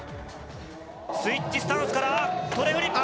スイッチスタンスから、トレフリップ。